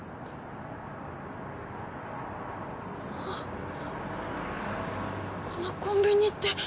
あっこのコンビニって。